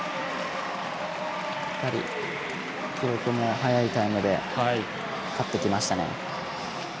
記録も速いタイムで勝ってきましたね。